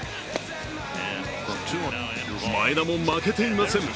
前田も負けていません。